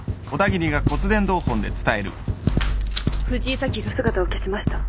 藤井早紀が姿を消しました。